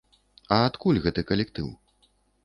А адкуль гэты калектыў?